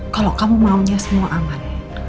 kalau kamu maunya semua aman